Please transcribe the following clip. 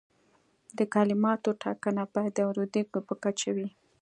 د کلماتو ټاکنه باید د اوریدونکي په کچه وي.